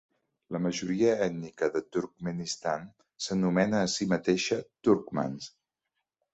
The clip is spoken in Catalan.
La majoria ètnica de Turkmenistan s'anomena a si mateixa turcmans.